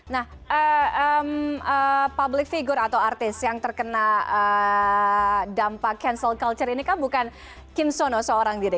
nah public figure atau artis yang terkena dampak cancel culture ini kan bukan kim sono seorang diri